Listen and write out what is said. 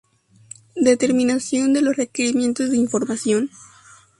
Determinación de los requerimientos de información.